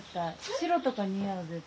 白とか似合う絶対。